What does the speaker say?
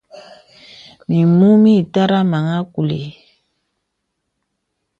Mimù mì məìtæràŋ a kùli.